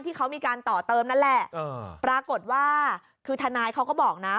ที่เขามีการต่อเติมนั่นแหละปรากฏว่าคือทนายเขาก็บอกนะ